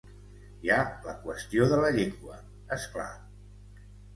Hi ha la qüestió de la llengua, és clar.